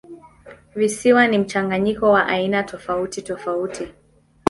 Visiwa ni mchanganyiko wa aina tofautitofauti.